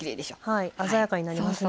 はい鮮やかになりますね。